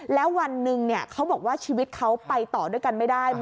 แล้ววันหนึ่งเขาบอกว่าชีวิตเขาไปต่อด้วยกันไม่ได้